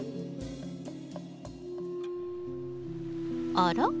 あら？